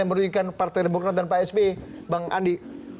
yang merujukan partai demokrat dan psb bang andi